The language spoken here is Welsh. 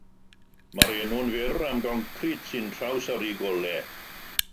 Mae'r enw'n fyr am “goncrit sy'n trawsyrru golau”.